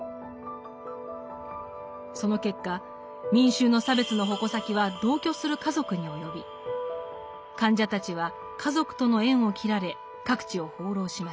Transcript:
その結果民衆の差別の矛先は同居する家族に及び患者たちは家族との縁を切られ各地を放浪しました。